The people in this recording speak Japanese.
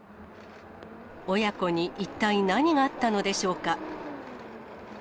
親子に一体何があったのでしょうか。